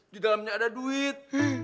di dalamnya ada duit